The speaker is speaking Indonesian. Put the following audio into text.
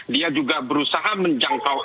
dia juga berusaha menjangkau